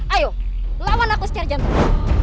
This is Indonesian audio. ayo lawan aku secara jantung